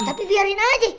tapi biarin aja